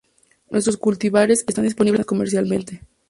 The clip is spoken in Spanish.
Numerosos cultivares están disponibles comercialmente.